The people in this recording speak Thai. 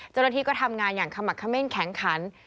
เจ้าหน้าที่ก็ทำงานอย่างขมักเขม่นแข็งขัน